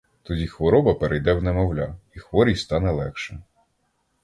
Тоді хвороба перейде в немовля, і хворій стане легше.